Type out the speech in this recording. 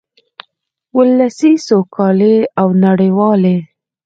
ولسي سوکالۍ او نړیوالې